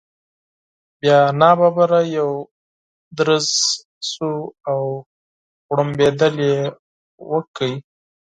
بیا ناڅاپه یو درز شو، او غړمبېدل يې وکړل.